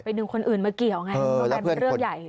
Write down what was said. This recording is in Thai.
ดึงคนอื่นมาเกี่ยวไงเพราะมันเป็นเรื่องใหญ่